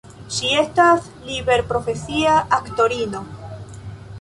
Ŝi estas liberprofesia aktorino.